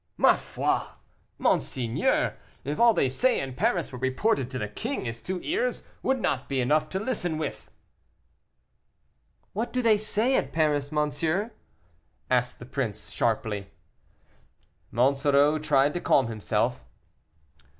"Ma foi! monseigneur, if all they say in Paris were reported to the king, his two ears would not be enough to listen with." "What do they say at Paris, monsieur?" asked the prince sharply. Monsoreau tried to calm himself.